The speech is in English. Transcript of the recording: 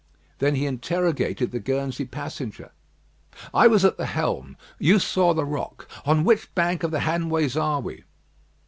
Then he interrogated the Guernsey passenger: "I was at the helm. You saw the rock. On which bank of the Hanways are we?"